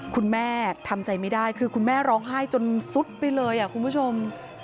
คุณแม่ทำใจไม่ได้คือคุณแม่ร้องไห้จนสุดไปเลยคุณผู้ชม